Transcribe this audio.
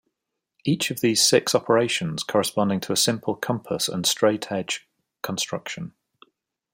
Each of these six operations corresponding to a simple compass and straightedge construction.